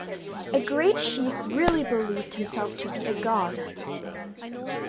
A great chief really believed himself to be a god.